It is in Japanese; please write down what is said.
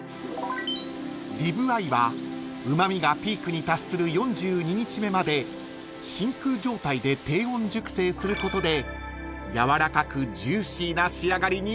［リブアイはうま味がピークに達する４２日目まで真空状態で低温熟成することでやわらかくジューシーな仕上がりになるんだそう］